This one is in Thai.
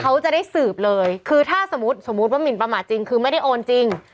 เขาจะได้สืบเลยคือถ้าสมมุติสมมุติว่าหมินประมาทจริงคือไม่ได้โอนจริง